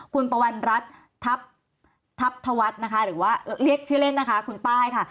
คุณปวัณรัฐทัพธวัฒน์นะคะหรือว่าเรียกชื่อเล่นนะคะคุณป้ายค่ะ